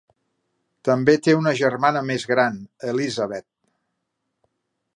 També té una germana més gran, Elizabeth.